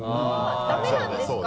ダメなんですか？